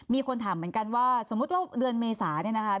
มีคนถามเหมือนกันว่าสมมุติเราเดือนเมษาเนี่ยนะคะ